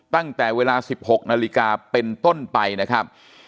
ตั้งแต่เวลา๑๖นาฬิกาเป็นต้นไปนะครับ